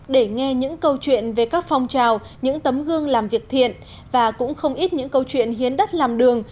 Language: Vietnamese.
để nghe những câu chuyện về các phong trào những tấm gương làm việc thiện và cũng không ít những câu chuyện hiến đất làm đường